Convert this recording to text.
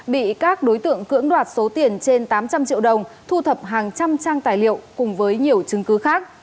bị các đối tượng cưỡng đoạt số tiền trên tám trăm linh triệu đồng thu thập hàng trăm trang tài liệu cùng với nhiều chứng cứ khác